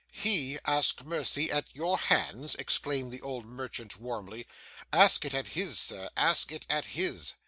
'HE ask mercy at your hands!' exclaimed the old merchant warmly; 'ask it at his, sir; ask it at his.